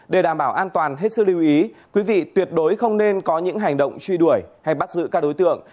để đảm bảo an toàn hết sức lưu ý quý vị tuyệt đối không nên có những hành động truy đuổi hay bắt giữ các đối tượng